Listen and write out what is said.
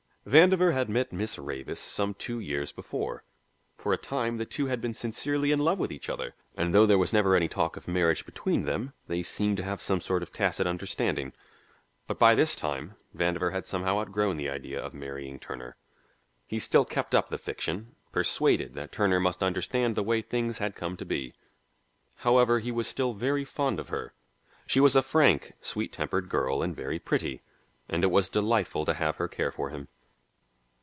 Vandover had met Miss Ravis some two years before. For a time the two had been sincerely in love with each other, and though there was never any talk of marriage between them, they seemed to have some sort of tacit understanding. But by this time Vandover had somehow outgrown the idea of marrying Turner. He still kept up the fiction, persuaded that Turner must understand the way things had come to be. However, he was still very fond of her; she was a frank, sweet tempered girl and very pretty, and it was delightful to have her care for him.